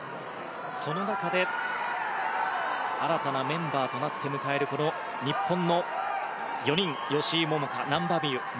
その中で新たなメンバーとなって迎えるこの日本の４人吉井萌萌花、難波実